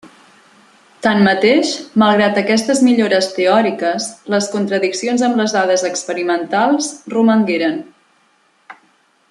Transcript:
Tanmateix, malgrat aquestes millores teòriques, les contradiccions amb les dades experimentals romangueren.